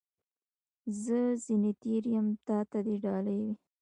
زه ځني تېر یم ، تا ته دي ډالۍ وي .